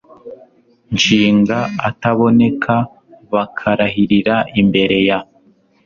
nshinga ataboneka bakarahirira imbere ya